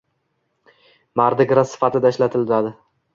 Mardi gras sifatida ishlatiladi